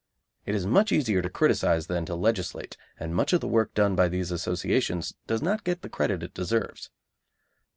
It is much easier to criticise than to legislate, and much of the work done by these associations does not get the credit it deserves.